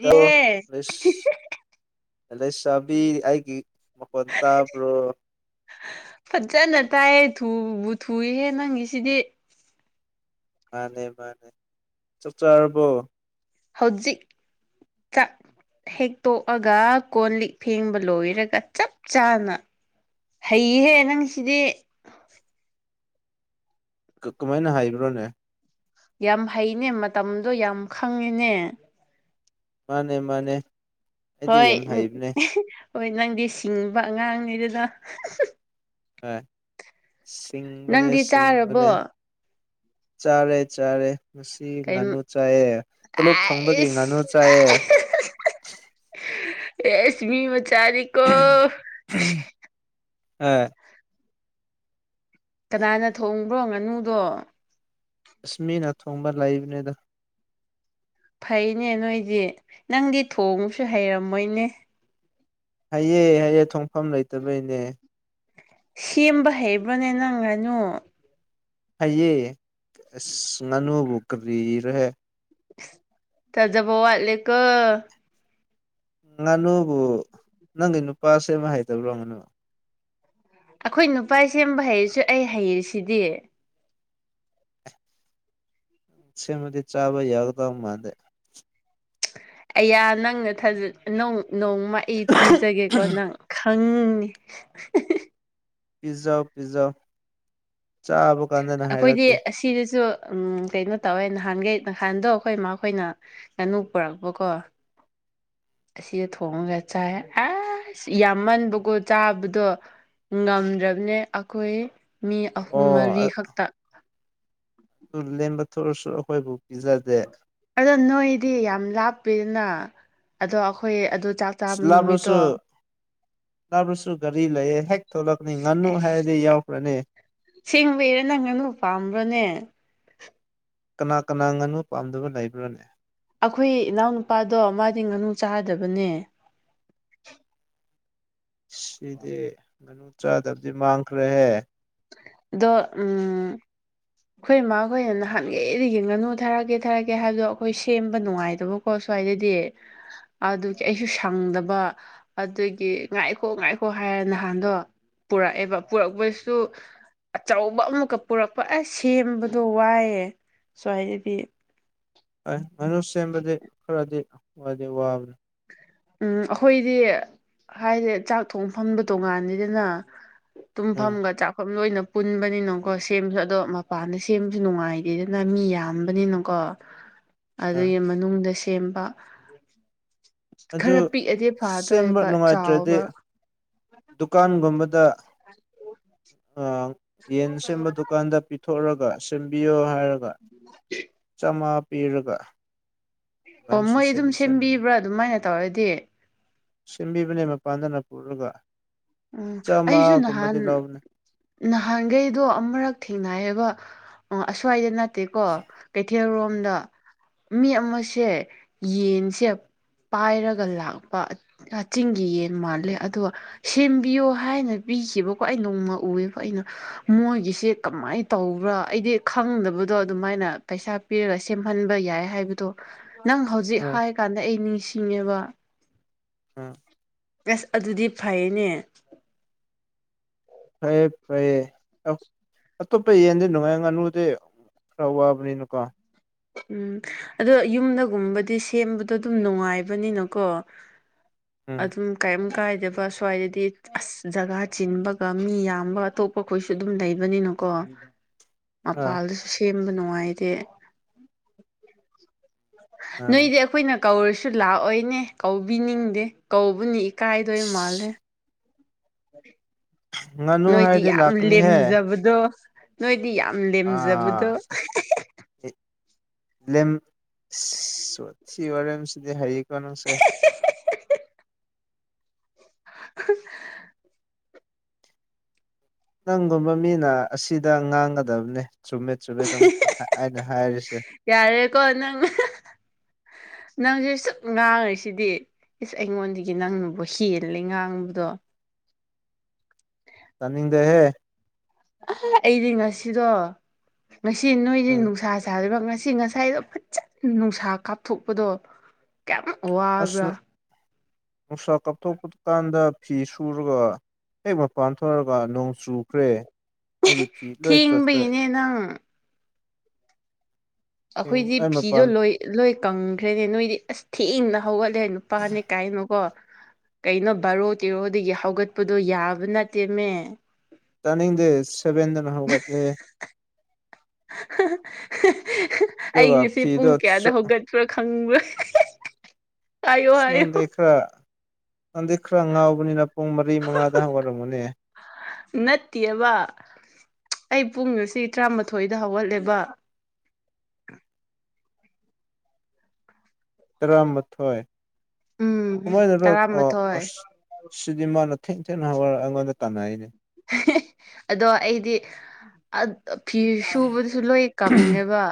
ꯇꯧꯔꯣ ꯑꯁ ꯂꯩꯁꯥꯕꯤ ꯑꯩꯒꯤ ꯃꯈꯣꯟ ꯇꯥꯕ꯭ꯔꯣ ꯐꯖꯅ ꯇꯥꯏꯌꯦ ꯊꯨꯕꯨ ꯊꯨꯏꯍꯦ ꯅꯪꯒꯤꯁꯤꯗꯤ ꯃꯥꯅꯦ ꯃꯥꯅꯦ ꯆꯥꯛ ꯆꯥꯥꯔꯕꯣ ꯍꯧꯖꯤꯛ ꯆꯥꯛ ꯍꯦꯛꯇꯣꯛꯑꯒ ꯀꯣꯟ ꯂꯤꯛ ꯐꯦꯡꯕ ꯂꯣꯏꯔꯒ ꯆꯞ ꯆꯥꯅ ꯍꯩꯍꯦ ꯅꯪ ꯁꯤꯗꯤ ꯀꯃꯥꯏꯅ ꯍꯥꯏꯕ꯭ꯔꯣꯅꯦ ꯌꯥꯝ ꯍꯩꯅꯦ ꯃꯇꯝꯗꯣ ꯌꯥꯝ ꯈꯪꯉꯦꯅꯦ ꯃꯥꯅꯦ ꯃꯥꯅꯦ ꯑꯩꯗꯤ ꯍꯣꯏ ꯌꯥꯝ ꯍꯩꯕꯅꯦ ꯍꯣꯏ ꯅꯪꯗꯤ ꯁꯤꯡꯉꯕ ꯑꯉꯥꯡꯅꯤꯗꯅ ꯍꯣꯢ ꯁꯤꯡꯕꯅꯦ ꯅꯪꯗꯤ ꯆꯥꯔꯕꯣ ꯁꯤꯡꯕꯅꯦ ꯆꯥꯔꯦ ꯆꯥꯔꯦ ꯉꯁꯤ ꯀꯩ ꯉꯥꯅꯨ ꯆꯥꯏꯑꯦ ꯇꯣꯂꯣꯞ ꯐꯪꯕꯒꯤ ꯉꯥꯅꯨ ꯑꯁ ꯆꯥꯏꯌꯦ ꯑꯦꯁ ꯃꯤ ꯃꯆꯥꯗꯤ ꯑꯝ ꯑꯝ ꯀꯅꯥꯅ ꯊꯣꯡꯕ꯭ꯔꯣ ꯉꯥꯅꯨꯗꯣ ꯑꯁꯃꯤꯅ ꯊꯣꯡꯕ ꯂꯩꯕꯅꯦꯗ ꯐꯩꯅꯦ ꯅꯣꯏꯗꯤ ꯅꯪꯗꯤ ꯊꯣꯡꯕꯁꯨ ꯍꯩꯔꯝꯃꯣꯏꯅꯦ ꯍꯩꯌꯦ ꯍꯩꯌꯦ ꯊꯣꯡꯐꯝ ꯂꯩꯇꯕꯩꯅꯦ ꯁꯦꯝꯕ ꯍꯩꯕ꯭ꯔꯣꯅꯦ ꯅꯪ ꯉꯅꯨ ꯍꯩꯏꯌꯦ ꯑꯁ ꯉꯥꯅꯨꯕꯨ ꯀꯔꯤꯔꯍꯦ ꯊꯖꯕꯥ ꯋꯥꯠꯂꯦ ꯀꯣ ꯉꯥꯅꯨꯕꯨ ꯅꯪꯒꯤ ꯅꯨꯄꯥ ꯁꯦꯝꯕꯍꯩꯇꯕꯔꯣ ꯉꯥꯅꯨ ꯑꯩꯈꯣꯏ ꯅꯨꯄꯥ ꯁꯦꯝꯕ ꯍꯩꯔꯁꯨ ꯑꯩ ꯍꯩꯔꯤꯁꯤꯗꯤ ꯁꯦꯝ ꯃꯗꯤ ꯆꯥꯕ ꯌꯥꯒꯗꯕ ꯃꯥꯥꯟꯗꯦ ꯑꯩꯌꯥ ꯅꯪꯅ ꯅꯣꯡꯃ ꯑꯩ ꯄꯤꯖꯒꯦꯀꯣ ꯅꯪ ꯈꯪꯅꯤ ꯄꯤꯖꯥꯎ ꯄꯤꯖꯥꯎ ꯆꯥꯕ ꯀꯥꯟꯗꯅ ꯑꯩꯈꯣꯏꯗꯤ ꯍꯥꯏꯔꯛꯀꯦ ꯑꯁꯤꯗꯁꯨ ꯎꯝ ꯀꯩꯅꯣ ꯇꯧꯋꯦ ꯅꯍꯥꯟꯈꯩ ꯅꯍꯥꯟꯗꯣ ꯑꯩꯈꯣꯏ ꯏꯃꯈꯣꯏꯅ ꯉꯥꯅꯨ ꯄꯨꯔꯛꯄꯀꯣ ꯑꯁꯤꯗ ꯊꯣꯡꯉꯒ ꯆꯥꯏ ꯑꯁ ꯌꯥꯝꯃꯟꯕꯀꯣ ꯆꯥꯕꯗꯣ ꯉꯝꯗ꯭ꯔꯕꯅꯦ ꯑꯩꯈꯣꯏ ꯃꯤ ꯑꯍꯨꯝ ꯑꯣ ꯃꯔꯤ ꯑꯗꯨ ꯈꯛꯇ ꯂꯦꯝꯕ ꯊꯣꯛꯑꯁꯨ ꯑꯩꯈꯣꯏꯕꯨ ꯄꯤꯖꯗꯦ ꯑꯗꯣ ꯅꯣꯏꯗꯤ ꯌꯥꯝ ꯂꯥꯞꯄꯤꯗꯅ ꯑꯗꯣ ꯑꯩꯈꯣꯏ ꯑꯗꯨ ꯆꯥꯛ ꯆꯥꯕ ꯅꯨꯃꯤꯠꯇꯣ ꯂꯕ꯭ꯔꯣꯁꯨ ꯅꯥꯕꯁꯨ ꯒꯥꯔꯤ ꯂꯩꯌꯦ ꯍꯦꯛ ꯊꯣꯛꯂꯛꯅꯤ ꯉꯥꯅꯨ ꯍꯥꯏꯔꯗꯤ ꯌꯥꯎꯈ꯭ꯔꯅꯤ ꯁꯤꯡꯕꯩꯔꯦ ꯅꯪ ꯉꯅꯨ ꯄꯥꯝꯕ꯭ꯔꯣꯅꯦ ꯀꯅꯥ ꯀꯅꯥ ꯉꯥꯅꯨ ꯄꯥꯝꯗꯕ ꯂꯩꯕ꯭ꯔꯥꯅꯦ ꯑꯩꯈꯣꯏ ꯏꯅꯥꯎꯅꯨꯄꯥꯗꯣ ꯃꯥꯗꯤ ꯉꯥꯅꯨ ꯆꯥꯗꯕꯅꯦ ꯁꯤꯗꯤ ꯉꯥꯅꯨ ꯆꯥꯗꯕꯗꯤ ꯃꯥꯡꯈ꯭ꯔꯦꯍꯦ ꯑꯗꯣ ꯎꯝ ꯑꯩꯈꯣꯏ ꯏꯃꯥ ꯑꯩꯈꯣꯏꯅ ꯅꯍꯥꯟꯈꯩꯗꯤ ꯌꯦꯡꯅꯅꯨ ꯊꯥꯛꯒꯦ ꯊꯥꯔꯛꯀꯦ ꯍꯥꯏꯕꯗꯣ ꯑꯩꯈꯣꯏ ꯁꯦꯝꯕ ꯅꯨꯡꯉꯥꯏꯗꯕ ꯍꯣꯏ ꯁ꯭ꯋꯥꯏꯗꯗꯤ ꯑꯗꯨꯒꯤ ꯑꯩꯁꯨ ꯁꯪꯗꯕ ꯑꯗꯨꯒꯤ ꯉꯥꯏꯈꯣ ꯉꯥꯏꯈꯣ ꯍꯥꯏꯔ ꯅꯍꯥꯟꯗꯣ ꯄꯨꯔꯛꯑꯦꯕ ꯄꯨꯔꯛꯄꯁꯨ ꯑꯆꯧꯕ ꯑꯃꯨꯛꯀ ꯄꯨꯔꯛꯄ ꯑꯁ ꯁꯦꯝꯕꯗꯣ ꯋꯥꯏꯑꯌꯦ ꯁꯨꯃꯥꯏꯅꯗꯤ ꯍꯣꯏ ꯉꯥꯅꯨ ꯁꯦꯝꯕꯗꯤ ꯈꯔꯗꯤꯗꯤ ꯋꯥꯕꯅꯤ ꯎꯝ ꯑꯩꯈꯣꯏꯗꯤ ꯍꯥꯏꯗꯤ ꯆꯥꯛ ꯊꯣꯡ ꯐꯝꯕ ꯇꯣꯉꯥꯟꯅꯤꯗꯅ ꯎꯝ ꯇꯨꯝꯐꯝꯒ ꯆꯥꯛꯐꯝ ꯂꯣꯏꯅ ꯄꯨꯟꯕꯅꯤꯅꯀꯣ ꯁꯦꯝꯕꯁꯨ ꯑꯗꯣ ꯃꯄꯥꯟꯗ ꯁꯦꯝꯕꯁꯨ ꯅꯨꯡꯉꯥꯏꯇꯦꯗꯅ ꯃꯤ ꯌꯥꯝꯕꯅꯤꯅꯀꯣ [unintelligible] ꯑꯗꯨꯒꯤ ꯃꯅꯨꯡꯗ ꯁꯦꯝꯕ ꯑꯗꯨ ꯈꯔ ꯄꯤꯛꯑꯗꯤ ꯁꯦꯝꯕ ꯐꯥꯗꯣꯏꯕ ꯅꯨꯡꯉꯥꯏꯇ꯭ꯔꯗꯤ ꯆꯥꯎꯕ ꯗꯨꯀꯥꯟꯒꯨꯝꯕꯗ ꯌꯦꯟ ꯁꯦꯝꯕ ꯗꯨꯀꯥꯟ ꯗ ꯄꯤꯊꯣꯛꯑꯒ ꯁꯦꯝꯕꯤꯌꯣ ꯍꯥꯏꯔꯒ ꯍ ꯆꯥꯝꯃꯉꯥ ꯄꯤꯔꯒ ꯑꯣ ꯑꯗꯨꯃꯥꯏꯅꯁꯨ ꯃꯣꯏ ꯑꯗꯨꯝ ꯁꯦꯝꯗꯤ ꯁꯦꯝꯕꯅꯦ ꯁꯦꯝꯕꯤꯕ꯭ꯔꯥ ꯑꯗꯨꯃꯥꯏꯅ ꯇꯧꯔꯗꯤ ꯁꯦꯝꯕꯤꯕꯅꯦ ꯃꯄꯥꯟꯗꯅ ꯄꯨꯔꯒ ꯎꯝ ꯑꯩꯁꯨ ꯆꯥꯝꯃꯉꯥꯒꯨꯝꯕꯗꯤ ꯅꯍꯥꯟ ꯂꯧꯕꯅꯦ ꯅꯍꯥꯟꯈꯩꯗꯣ ꯑꯃꯨꯔꯛ ꯊꯦꯡꯅꯌꯦꯕ ꯑꯁ꯭ꯋꯥꯏꯗ ꯐꯠꯇꯦꯀꯣ ꯀꯩꯊꯦꯜ ꯎꯝ ꯔꯣꯝꯗ ꯃꯤ ꯑꯃꯁꯦ ꯌꯦꯟꯁꯦ ꯄꯥꯏꯔꯒ ꯂꯥꯛꯄ ꯆꯤꯡꯒꯤ ꯌꯦꯟ ꯃꯥꯜꯂꯦ ꯑꯗꯨꯒ ꯁꯦꯝꯕꯤꯌꯣ ꯍꯥꯏꯅ ꯄꯤꯈꯤꯕꯈꯤꯕꯀꯣ ꯑꯩ ꯅꯣꯡꯃ ꯎꯑꯦꯕ ꯑꯩꯅ ꯃꯣꯏꯒꯤꯁꯦ ꯀꯃꯥꯏꯅ ꯇꯧꯕ꯭ꯔꯥ ꯑꯩꯗꯤ ꯈꯪꯗꯕꯗꯣ ꯑꯗꯨꯃꯥꯏꯅ ꯄꯩꯁꯥ ꯄꯤꯔꯒ ꯁꯦꯝꯍꯟꯕ ꯌꯥꯏ ꯍꯥꯏꯕꯗꯣ ꯅꯪ ꯍꯧꯖꯤꯛ ꯍꯣꯏ ꯍꯥꯏꯔ ꯀꯥꯟꯗ ꯑꯩ ꯅꯤꯡꯁꯤꯡꯉꯦꯕ ꯑ ꯑꯁ ꯑꯗꯨꯗꯤ ꯐꯩꯅꯦ ꯐꯌꯦꯦ ꯐꯔꯌꯦꯦ ꯑꯇꯣꯞꯄ ꯌꯦꯟꯗꯤ ꯅꯨꯡꯉꯥꯏ ꯉꯥꯅꯨꯗꯤ ꯈꯔ ꯋꯥꯕꯅꯤꯅꯀꯣ ꯎꯝ ꯑꯗꯣ ꯌꯨꯝꯗꯒꯨꯝꯕꯗꯤ ꯁꯦꯝꯕꯗꯣ ꯑꯗꯨꯝ ꯅꯨꯡꯉꯥꯏꯕꯅꯤꯅꯀꯣ ꯎꯝ ꯑꯗꯨꯝ ꯀꯩꯝ ꯀꯥꯏꯗꯦ ꯁ꯭ꯋꯥꯏꯗꯗꯤ ꯑꯁ ꯖꯒꯥ ꯆꯤꯟꯕꯒ ꯃꯤ ꯌꯥꯝꯕ ꯑꯇꯣꯞꯄꯈꯣꯏꯁꯨ ꯑꯗꯨꯝ ꯂꯩꯕꯅꯤꯅꯀꯣ [unintelligible] ꯃꯄꯥꯜꯗꯁꯨ ꯁꯦꯝꯕ ꯅꯨꯡꯉꯥꯏꯇꯦ ꯃꯥꯅꯦ ꯅꯣꯏꯗꯤ ꯑꯩꯈꯣꯏꯅ ꯀꯧꯔꯁꯨ ꯂꯥꯛꯑꯣꯏꯅꯦ ꯀꯧꯕꯤꯅꯤꯡꯗꯦ ꯀꯧꯕꯅꯤ ꯏꯀꯥꯏꯗꯣꯏ ꯃꯥꯜꯂꯦ ꯑꯁ ꯎ ꯉꯥꯅꯨ ꯅꯣꯏꯗꯤ ꯍꯥꯏꯔꯗꯤ ꯌꯥꯝ ꯂꯥꯛꯀꯅꯤꯍꯦ ꯂꯦꯝꯖꯕꯗꯣ ꯅꯣꯏꯗꯤ ꯌꯥꯝ ꯂꯦꯝꯖꯕꯗꯣ ꯑꯥ ꯁꯤ ꯋꯥꯔꯦꯝꯁꯤꯗꯤ ꯍꯌꯦꯀꯣ ꯅꯪꯁꯦ [unintelligible] ꯅꯪꯒꯨꯝꯕ ꯃꯤꯅ ꯑꯁꯤꯗ ꯉꯥꯡꯒꯗꯕꯅꯦ ꯆꯨꯝꯃꯦꯠ ꯆꯨꯝꯃꯦꯠ ꯑꯗꯨꯝ ꯍꯥꯏꯅ ꯍꯥꯏꯔꯤꯁꯦ ꯌꯥꯔꯦꯀꯣ ꯅꯪ ꯅꯪꯁꯦ ꯁꯨꯛ ꯉꯥꯡꯉꯤꯁꯤꯗꯤ ꯏꯁ ꯑꯩꯉꯣꯟꯗꯒꯤ ꯅꯪꯅꯕꯨ ꯍꯦꯜꯂꯦ ꯉꯥꯡꯕꯗꯣ ꯇꯅꯤꯡꯗꯦꯍꯦ ꯑ ꯑꯩꯗꯤ ꯉꯁꯤꯗꯣ ꯉꯁꯤ ꯅꯣꯏꯒꯤ ꯎꯝ ꯅꯨꯡꯁꯥ ꯁꯥꯔꯤꯕ ꯉꯁꯤ ꯉꯁꯥꯏꯗꯣ ꯐꯖꯅ ꯅꯨꯡꯁꯥ ꯀꯥꯞꯊꯣꯛꯄꯗꯣ ꯀꯌꯥꯝꯃꯨꯛ ꯋꯥ ꯑꯁꯅꯨ ꯅꯨꯡꯁꯥ ꯀꯥꯞꯊꯣꯛꯄ ꯀꯥꯟꯗ ꯐꯤ ꯁꯨꯔꯒ ꯍꯦꯛ ꯃꯄꯥꯟ ꯊꯣꯔꯛꯒ ꯅꯣꯡ ꯆꯨꯈ꯭ꯔꯦ ꯑꯩꯒꯤ ꯐꯤ ꯂꯣꯏ ꯆꯣꯠꯈ꯭ꯔꯦ ꯊꯦꯡꯕꯒꯤꯅꯦ ꯅꯪ ꯑꯈꯣꯏꯗꯤ ꯑꯩ ꯐꯤꯗꯣ ꯃꯄꯥꯟ ꯂꯣꯏ ꯂꯣꯏ ꯀꯪꯈ꯭ꯔꯦꯅꯦ ꯅꯣꯏꯗꯤ ꯑꯁ ꯊꯦꯡꯅ ꯍꯧꯒꯠꯂꯦ ꯅꯨꯄꯥꯅꯦ ꯀꯥꯏꯅꯀꯣ ꯀꯩꯅꯣ ꯕꯥꯔꯣ ꯇꯦꯔꯣꯗꯒꯤ ꯍꯧꯒꯠꯄꯗꯣ ꯌꯥꯕ ꯅꯠꯇꯦꯅꯦ ꯇꯅꯤꯡꯗꯦ ꯁꯦꯕꯦꯟꯗꯅ ꯍꯒꯠꯂꯦ ꯑꯩ ꯑꯗꯨꯒ ꯉꯁꯤ ꯄꯨꯡ ꯐꯤꯗꯣ ꯀꯌꯥꯗ ꯍꯧꯒꯠꯄ꯭ꯔꯥ ꯈꯪꯕ꯭ꯔꯥ ꯍꯥꯏꯌꯣ ꯑꯁ ꯍꯥꯏꯌꯣ ꯅꯪꯗꯤ ꯈꯔ ꯅꯪꯗꯤ ꯈꯔ ꯉꯥꯎꯕꯅꯤꯅ ꯄꯨꯡ ꯃꯔꯤ ꯃꯉꯥꯗ ꯍꯧꯒꯠꯂꯝꯒꯅꯤ ꯅꯠꯇꯤꯌꯦꯕ ꯑꯩ ꯄꯨꯡ ꯉꯁꯤ ꯇꯔꯥꯃꯥꯊꯣꯏꯗ ꯍꯧꯒꯠꯂꯦꯕ ꯇꯔꯥꯃꯥꯊꯣꯏ ꯎꯝ ꯀꯃꯥꯏꯅꯔꯣ ꯑꯥ ꯇꯔꯥꯃꯥꯊꯣꯏ ꯑꯁ ꯁꯤꯗꯤ ꯃꯥꯅ ꯊꯦꯡ ꯊꯦꯡꯅ ꯍꯧꯒꯠꯔ ꯑꯉꯣꯟꯗ ꯇꯥꯟꯅꯩꯅꯦ ꯑꯗꯣ ꯑꯩꯗꯤ ꯐꯤ ꯑꯠ ꯁꯨꯕꯗꯨꯁꯨ ꯂꯣꯏ ꯀꯪꯉꯦꯕ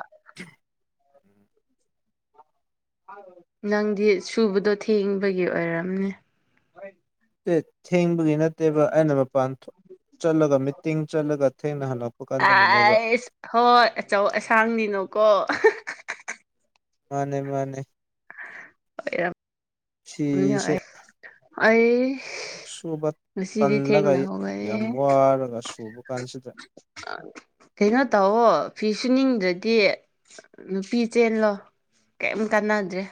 ꯅꯪꯗꯤ ꯁꯨꯕꯗꯣ ꯊꯦꯡꯕꯒꯤ ꯑꯣꯏꯔꯝꯅꯤ ꯑꯦꯠ ꯊꯦꯡꯕꯒꯤ ꯅꯠ ꯅꯠꯇꯦꯕ ꯑꯩꯅ ꯃꯄꯥꯟ ꯊꯣꯛ ꯆꯠꯂꯒ ꯃꯤꯇꯤꯡ ꯆꯠꯂꯒ ꯊꯦꯡꯅ ꯍꯜꯂꯛꯄ ꯀꯥꯟꯗꯗꯨꯅꯦꯕ ꯑꯁ ꯍꯣꯏ ꯑꯆꯧ ꯑꯁꯥꯡꯅꯤꯅꯀꯣ ꯃꯥꯅꯦ ꯃꯥꯅꯦ ꯑꯣꯏꯔꯝ ꯅ ꯐꯤꯁꯦ ꯑꯩ ꯁꯨꯕ ꯉꯁꯤꯗꯤ ꯇꯜꯂꯒ ꯊꯦꯡꯅ ꯌꯥꯝ ꯍꯧꯒꯠꯂꯦꯍꯦ ꯋꯥꯔꯒ ꯁꯨꯕ ꯀꯥꯟꯁꯤꯗ ꯑꯥ ꯀꯩꯅꯣ ꯇꯧꯑꯣ ꯐꯤ ꯁꯨꯅꯤꯡꯗ꯭ꯔꯗꯤ ꯅꯨꯄꯤ ꯆꯦꯜꯂꯣ ꯀꯦꯝ ꯀꯥꯟꯅꯗ꯭ꯔꯦ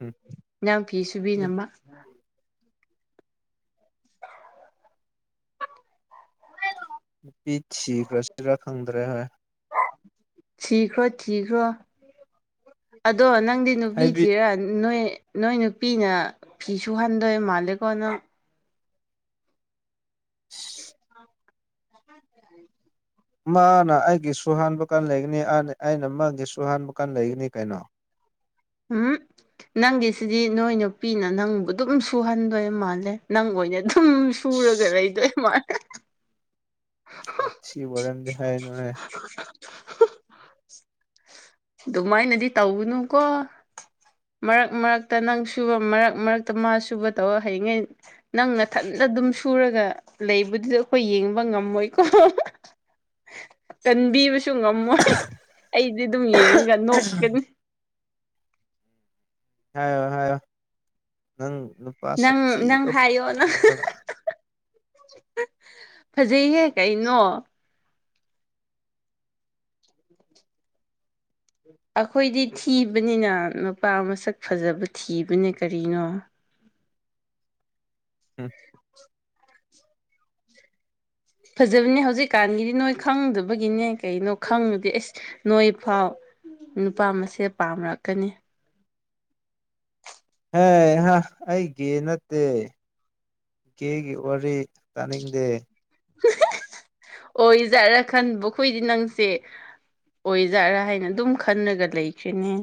ꯎꯝ ꯅꯪ ꯐꯤꯁꯨꯨꯕꯤꯅꯥꯕ ꯄꯤ ꯊꯈ꯭ꯔꯁꯤꯔꯥ ꯈꯪꯗ꯭ꯔꯦ ꯍꯥꯏ ꯊꯤꯈ꯭ꯔꯣ ꯊꯤꯈ꯭ꯔꯣ ꯑꯗꯣ ꯅꯪꯗꯤ ꯅꯨꯄꯤ ꯍꯥꯏꯗꯤ ꯊꯤꯔ ꯅꯣꯏ ꯅꯣꯏ ꯅꯨꯄꯤꯅ ꯐꯤ ꯁꯨꯍꯟꯗꯣꯏ ꯃꯥꯜꯂꯦꯀꯣ ꯅꯪ [unintelligible] ꯃꯥꯅ ꯑꯩꯒꯤ ꯁꯨꯍꯥꯟꯕ ꯀꯥꯟ ꯂꯩꯒꯅꯤ ꯑꯅ ꯑꯩꯅ ꯃꯥꯒꯤ ꯁꯨꯍꯥꯟꯕ ꯀꯥꯟ ꯂꯩꯒꯅꯤ ꯀꯩꯅꯣ ꯍꯨꯝ ꯅꯪꯒꯤꯁꯤꯗꯤ ꯅꯣꯏ ꯅꯨꯄꯤꯅ ꯅꯪꯕꯨ ꯑꯗꯨꯝ ꯁꯨꯍꯟꯗꯣꯏ ꯃꯥꯜꯂꯦ ꯅꯪ ꯑꯣꯏꯅ ꯑꯗꯨꯝ ꯁꯨꯔꯒ ꯂꯩꯗꯣꯏ ꯃꯥꯂꯦ ꯋꯥꯊꯤ ꯋꯥꯔꯦꯝꯗꯤ ꯍꯥꯏꯒꯅꯨꯍꯦ ꯑꯗꯨꯃꯥꯏꯅꯗꯤ ꯇꯧꯒꯅꯨꯀꯣ ꯃꯔꯛ ꯃꯔꯛꯇ ꯅꯪ ꯁꯨꯕ ꯃꯔꯛ ꯃꯔꯛꯇ ꯃꯥ ꯁꯨꯕ ꯇꯧꯔ ꯍꯩꯉꯩ ꯅꯪ ꯅꯊꯟꯗ ꯑꯗꯨꯝ ꯁꯨꯔꯒ ꯂꯩꯕꯗꯨꯗ ꯑꯈꯣꯏ ꯌꯦꯡꯕ ꯉꯝꯃꯣꯏꯀꯣ ꯀꯟꯕꯤꯕꯁꯨ ꯉꯝꯃꯣꯏ ꯑꯩꯗꯤ ꯑꯗꯨꯝ ꯌꯦꯡꯉꯒ ꯅꯣꯛꯀꯅꯤ ꯍꯥꯏꯔꯣ ꯍꯥꯏꯔꯣ ꯅꯪ ꯅꯨꯞ ꯅꯪ ꯅꯪ ꯍꯥꯏꯌꯣ ꯅꯪ ꯐꯖꯩꯍꯦ ꯀꯩꯅꯣ ꯑꯈꯣꯏꯗꯤ ꯊꯤꯕꯅꯤꯅ ꯅꯨꯄꯥ ꯃꯁꯛ ꯐꯖꯕ ꯊꯤꯕꯅꯦ ꯀꯔꯤꯅꯣ ꯎꯝ ꯐꯖꯕꯅꯦ ꯍꯧꯖꯤꯛꯀꯥꯟꯒꯤꯗꯤ ꯅꯣꯏ ꯈꯪꯗꯕꯒꯤꯅꯦ ꯀꯩꯅꯣ ꯈꯪꯉꯗꯤ ꯑꯩꯁ ꯅꯣꯏ ꯐꯥꯎ ꯅꯨꯄꯥ ꯃꯥꯁꯦꯜ ꯄꯥꯝꯔꯛꯀꯅꯤ ꯍꯩꯍꯥ ꯑꯩꯒꯤ ꯅꯠꯇꯦ ꯀꯦꯒꯤ ꯋꯥꯔꯤ ꯇꯥꯅꯤꯡꯗꯦ ꯑꯣꯖꯥꯔ ꯈꯟꯕ ꯈꯣꯏꯗꯤ ꯅꯪꯁꯦ ꯑꯣꯏꯖꯥꯠꯔꯥ ꯍꯥꯏꯅ ꯑꯗꯨꯝ ꯈꯟꯅꯂꯒ ꯂꯩꯈ꯭ꯔꯤꯅꯦ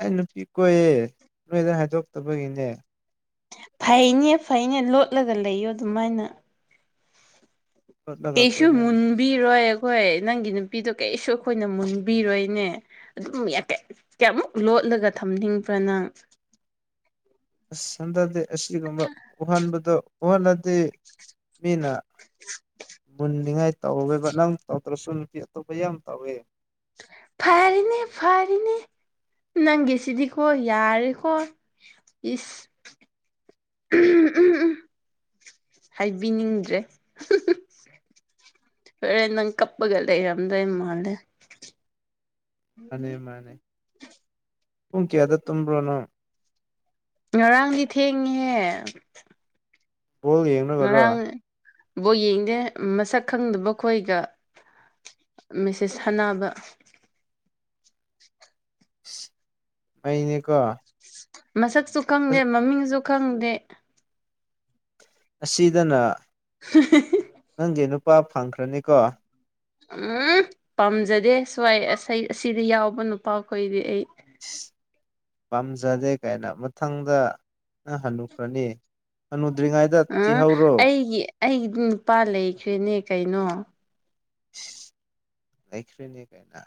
ꯑꯩ ꯅꯨꯄꯤ ꯀꯣꯏꯌꯦ ꯅꯣꯏꯗ ꯍꯥꯏꯗꯣꯛꯇꯕꯒꯤꯅꯦ ꯐꯩꯅꯦ ꯐꯩꯅꯦ ꯂꯣꯠꯂꯒ ꯂꯩꯌꯣ ꯑꯗꯨꯃꯥꯏꯅ ꯂꯣꯠꯂꯒ ꯑꯩꯁꯨ ꯀꯣꯏꯅꯔꯤꯅꯦ ꯃꯟꯕꯤ ꯔꯣꯏ ꯑꯩꯈꯣꯏ ꯅꯪꯒꯤ ꯅꯨꯄꯤꯗꯣ ꯀꯩꯁꯨ ꯑꯩꯈꯣꯏꯅ ꯃꯨꯟꯕꯤꯔꯣꯏꯅꯦ ꯑꯗꯨꯝ ꯌꯥꯀꯦ ꯀꯌꯥꯃꯨꯛ ꯂꯣꯠꯂꯒ ꯊꯝꯅꯤꯡꯕ꯭ꯔꯥ ꯅꯪ ꯑꯁ ꯍꯟꯊꯗꯦ ꯑꯁꯤꯒꯨꯝꯕ ꯎꯍꯟꯕꯗꯣ ꯎꯍꯜꯂꯗꯦ ꯃꯤꯅ ꯃꯨꯟꯅꯤꯡꯉꯥꯏ ꯇꯧꯋꯦꯕ ꯅꯪ ꯇꯧꯗ꯭ꯔꯁꯨ ꯅꯨꯄꯤ ꯑꯇꯣꯞꯄ ꯌꯥꯝ ꯇꯧꯋꯦ ꯐꯔꯤꯅꯦ ꯐꯔꯤꯅꯦ ꯅꯪꯒꯤꯁꯤꯗꯤꯀꯣ ꯌꯥꯔꯦꯀꯣ ꯏꯁ ꯎ ꯎꯝ ꯎꯝ ꯍꯥꯏꯕꯤꯅꯤꯡꯗ꯭ꯔꯦ ꯍꯣꯔꯦꯟ ꯅꯪ ꯀꯞꯄꯒ ꯂꯩꯔꯝꯗꯣꯏ ꯃꯥꯜꯂꯦ ꯃꯥꯅꯦ ꯃꯥꯅꯦ ꯄꯨꯡ ꯀꯌꯥꯗ ꯇꯨꯝꯕ꯭ꯔꯣ ꯅꯪ ꯉꯔꯥꯡꯗꯤ ꯊꯦꯡꯉꯤꯍꯦ ꯕꯣꯜ ꯌꯦꯡꯂꯒꯔꯣ ꯉꯔꯥꯡ ꯕꯣꯜ ꯌꯦꯡꯗꯦ ꯃꯁꯛ ꯈꯪꯗꯕ ꯈꯣꯏꯒ ꯃꯦꯁꯦꯁ ꯊꯥꯅꯕ ꯑꯩꯅꯦꯀꯣ ꯃꯁꯛꯁꯨ ꯈꯪꯗꯦ ꯃꯃꯤꯡꯁꯨ ꯈꯪꯗꯦ ꯑꯁꯤꯗꯅ ꯍ ꯅꯪꯒꯤ ꯅꯨꯄꯥ ꯐꯪꯈ꯭ꯔꯅꯤꯀꯣ ꯎꯝ ꯄꯥꯝꯖꯗꯦ ꯁ꯭ꯋꯥꯏ ꯑꯁꯤꯗ ꯌꯥꯎꯕ ꯅꯨꯄꯥꯈꯣꯏꯗꯤ ꯑꯩ ꯄꯥꯝꯖꯗꯦ ꯀꯥꯏꯅ ꯃꯊꯪꯗ ꯍꯅꯨꯈ꯭ꯔꯅꯤ ꯍꯅꯨꯗ꯭ꯔꯤꯉꯩꯗ ꯊꯤꯍꯧꯔꯣ ꯑꯩꯒꯤꯗꯤ ꯅꯨꯄꯥ ꯂꯩꯈ꯭ꯔꯦꯅꯦ ꯀꯩꯅꯣ ꯂꯩꯈ꯭ꯔꯦꯅꯦ ꯀꯥꯏꯅ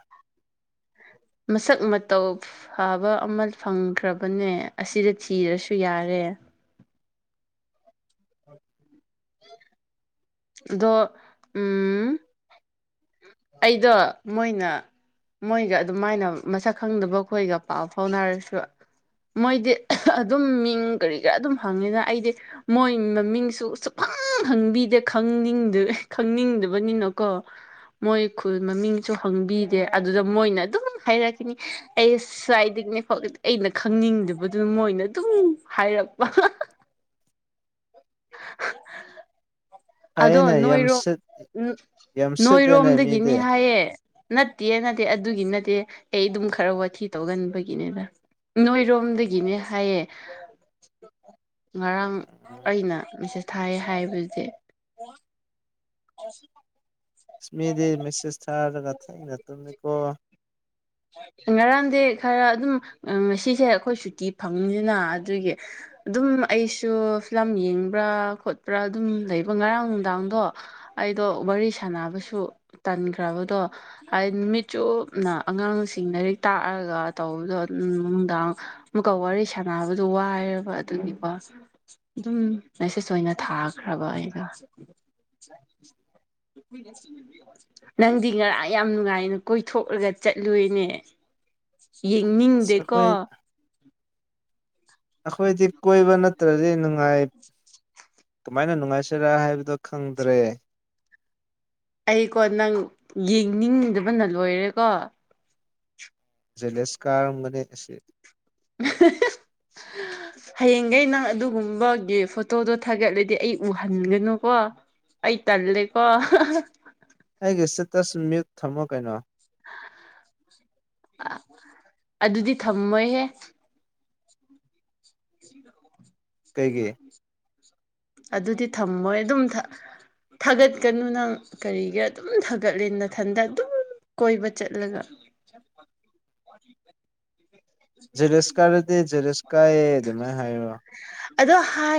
ꯃꯁꯛ ꯃꯇꯧ ꯐꯕ ꯑꯃ ꯐꯪꯈ꯭ꯔꯕꯅꯦ ꯑꯁꯤꯗ ꯊꯤꯔꯁꯨ ꯌꯥꯔꯦ ꯑꯗꯣ ꯎꯝ ꯑꯩꯗꯣ ꯃꯣꯏꯅ ꯃꯣꯏꯒ ꯑꯗꯨꯃꯥꯏꯅ ꯃꯁꯛ ꯈꯪꯗꯕ ꯈꯣꯏꯒ ꯄꯥꯎ ꯐꯥꯎꯅꯔꯁꯨ ꯃꯣꯏꯗꯤ ꯑꯗꯨꯝ ꯃꯤꯡ ꯀꯔꯤ ꯀꯔꯥ ꯑꯗꯨꯝ ꯍꯪꯉꯤꯗ ꯑꯩꯗꯤ ꯃꯣꯏ ꯃꯃꯤꯡꯁꯨ ꯁꯨꯛꯍꯪ ꯍꯪꯕꯤꯗꯦ ꯈꯪꯅꯤꯡꯗ ꯈꯪꯅꯤꯡꯗꯕꯅꯤꯅꯀꯣ ꯃꯣꯏ ꯈꯨꯜ ꯃꯃꯤꯡꯁꯨ ꯍꯪꯕꯤꯗꯦ ꯑꯗꯨꯗ ꯃꯣꯏꯅ ꯑꯗꯨꯝ ꯍꯥꯏꯔꯛꯀꯅꯤ ꯑꯩꯁ ꯁ꯭ꯋꯥꯏꯗꯒꯤꯅꯦ ꯑꯩꯅ ꯈꯪꯅꯤꯡꯗꯕꯗꯨꯅ ꯃꯣꯏꯅ ꯑꯗꯨꯝ ꯍꯥꯏꯔꯛꯄ ꯑꯗꯣ ꯐꯩꯌꯦꯅꯦ ꯌꯥꯝ ꯅꯣꯏꯔꯣꯝ ꯁꯤꯠ ꯌꯥꯝ ꯁꯤꯠꯂꯦꯅꯦ ꯅꯣꯏꯔꯣꯝꯗꯒꯤꯅꯤ ꯃꯤꯗꯤ ꯍꯥꯏꯌꯦ ꯅꯠꯇꯦ ꯅꯠꯇꯦ ꯑꯗꯨꯒꯤ ꯅꯠꯇꯦ ꯑꯩ ꯑꯗꯨꯝ ꯈꯔ ꯋꯥꯊꯤ ꯇꯧꯒꯟꯕꯒꯤꯅꯦꯕ ꯅꯣꯏꯔꯣꯝꯗꯒꯤꯅꯦ ꯍꯥꯏꯌꯦ [inaudible] ꯉꯔꯥꯡ ꯎꯝ ꯑꯩꯅ ꯃꯦꯁꯦꯁ ꯊꯥꯏ ꯍꯥꯏꯕꯁꯦ ꯑꯁꯨ ꯏꯁ ꯃꯤꯗꯤ ꯃꯦꯁꯦꯁ ꯊꯥꯔꯒ ꯊꯦꯡꯅ ꯇꯨꯝꯃꯤꯀꯣ ꯉꯔꯥꯡꯗꯤ ꯈꯔ ꯑꯗꯨꯝ ꯉꯁꯤꯁꯦ ꯑꯩꯈꯣꯏ ꯁꯨꯇꯤ ꯐꯪꯉꯅꯤꯅ ꯑꯗꯨꯒꯤ ꯑꯗꯨꯝ ꯑꯩꯁꯨ ꯐꯤꯂꯝ ꯌꯦꯡꯕ꯭ꯔꯥ ꯈꯣꯠꯄ꯭ꯔꯥ ꯑꯗꯨꯝ ꯂꯩꯕ ꯉꯔꯥꯡ ꯅꯨꯡꯗꯥꯡꯗꯣ ꯑꯩꯗꯣ ꯋꯥꯔꯤ ꯁꯥꯟꯅꯕꯁꯨ ꯇꯟꯈ꯭ꯔꯕꯗꯣ ꯑꯩ ꯅꯨꯃꯤꯠ ꯆꯨꯞꯅ ꯑꯉꯥꯡꯁꯤꯡ ꯂꯥꯏꯔꯤꯛ ꯇꯥꯛꯑꯒ ꯇꯧꯕꯗꯣ ꯅꯨꯡꯗꯥꯡ ꯑꯃꯨꯛꯀ ꯋꯥꯔꯤ ꯁꯥꯟꯅꯕꯗꯨ ꯋꯥꯏꯕ ꯑꯗꯨꯒꯤꯀꯣ ꯑꯗꯨꯝ ꯃꯦꯁꯦꯁ ꯑꯣꯏꯅ ꯊꯥꯈ꯭ꯔꯕ ꯑꯩꯒ ꯅꯪꯗꯤ ꯉꯔꯥꯡ ꯌꯥꯝ ꯅꯨꯡꯉꯥꯏꯅ ꯀꯣꯏꯊꯣꯛꯂꯒ ꯆꯠꯂꯨꯏꯅꯦ ꯑꯁ ꯌꯦꯡꯅꯤꯡꯗꯦꯀꯣ ꯑꯩꯈꯣꯏ ꯑꯩꯈꯣꯏꯗꯤ ꯀꯣꯏꯕ ꯅꯠꯇ꯭ꯔꯗꯤ ꯅꯨꯡꯉꯥꯏ ꯀꯃꯥꯏꯅ ꯅꯨꯡꯉꯥꯏꯁꯤꯔꯥ ꯍꯥꯏꯕꯗꯣ ꯈꯪꯗ꯭ꯔꯦ ꯑꯩꯀꯣ ꯅꯪ ꯌꯦꯡꯅꯤꯡꯗꯕꯅ ꯂꯣꯏꯔꯦꯀꯣ ꯖꯦꯂꯁ ꯀꯥꯔꯃꯅꯤ ꯁꯤ ꯍꯌꯦꯡꯈꯩ ꯅꯪ ꯑꯗꯨꯒꯨꯝꯕꯒꯤ ꯐꯣꯇꯣꯗꯣ ꯊꯥꯒꯠꯂꯗꯤ ꯑꯩ ꯎꯍꯟꯒꯅꯨꯀꯣ ꯑꯩ ꯇꯜꯂꯦꯀꯣ ꯑꯩꯒꯤ ꯏꯁꯇꯦꯇꯁ ꯃ꯭ꯌꯨꯠ ꯊꯝꯃꯣ ꯀꯩꯅꯣ ꯑ ꯑꯗꯨꯗꯤ ꯊꯝꯃꯣꯏꯍꯦ ꯀꯩꯒꯤ ꯑꯗꯨꯗꯤ ꯊꯝꯃꯣꯏ ꯑꯗꯨꯝ ꯊꯥꯒꯠꯀꯅꯨꯅ ꯀꯔꯤꯒ ꯑꯗꯨꯝ ꯊꯥꯒꯠꯂꯦ ꯃꯊꯟꯗ ꯑꯗꯨꯝ ꯀꯣꯏꯕ ꯆꯠꯂꯒ ꯖꯦꯔꯦꯁꯀꯥꯔꯗꯤ ꯖꯦꯔꯦꯁꯀꯥꯌꯦ ꯑꯗꯨꯃꯥꯏꯅ ꯍꯥꯏ ꯑꯗꯣ ꯍꯥꯏ